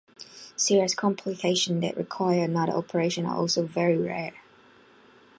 Serious complications that require another operation are also very rare.